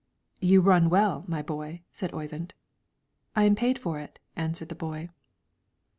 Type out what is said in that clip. "You run well, my boy," said Oyvind. "I am paid for it," answered the boy.